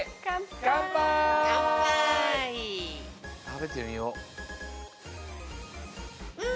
食べてみよう。